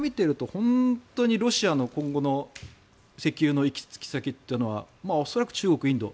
本当にロシアの今後の石油の行き着く先というのは恐らく中国、インド